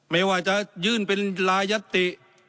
ไม่ว่าจะยื่นเป็นรายยัตติ